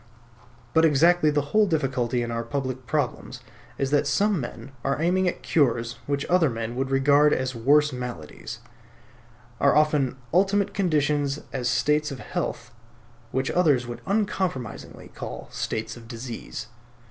But exactly the whole difficulty in our public problems is that some men are aiming at cures which other men would regard as worse maladies; are offering ultimate conditions as states of health which others would uncompromisingly call states of disease.